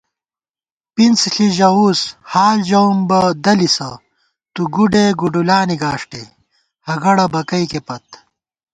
پِنڅ ݪِی ژَوُس حال ژَوُم بہ دَلِسہ تُوگُوڈےگُڈُولانی گاݭٹےہگَڑہ بکَئیکےپت